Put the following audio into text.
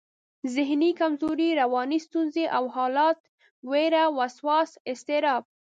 ذهني کمزوري، رواني ستونزې او حالت، وېره، وسواس، اضطراب